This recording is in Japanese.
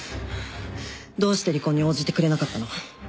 どうして離婚に応じてくれなかったの？